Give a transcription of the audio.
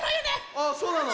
あそうなの？